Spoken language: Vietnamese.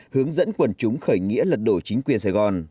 hướng dẫn quần chúng khởi nghĩa lật đổ chính quyền sài gòn